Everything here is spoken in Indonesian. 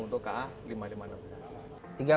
untuk ka lima ribu lima ratus enam belas